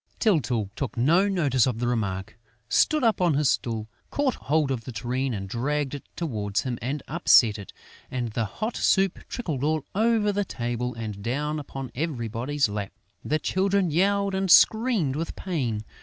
Tyltyl took no notice of the remark, stood up on his stool, caught hold of the tureen and dragged it towards him and upset it; and the hot soup trickled all over the table and down upon everybody's lap. The children yelled and screamed with pain.